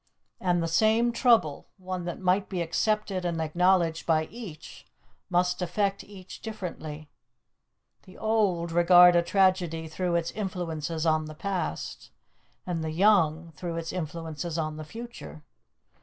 And the same trouble, one that might be accepted and acknowledged by each, must affect each differently. The old regard a tragedy through its influences on the past, and the young through its influences on the future.